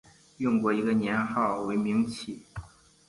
用过一个年号为明启。